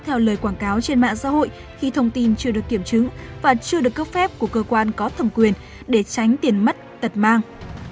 theo lời quảng cáo trên mạng xã hội khi thông tin chưa được kiểm chứng và chưa được cấp phép của cơ quan có thẩm quyền để tránh tiền mất tật mang